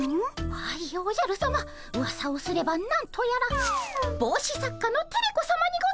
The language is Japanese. はいおじゃるさまうわさをすれば何とやらぼうし作家のテレ子さまにございます。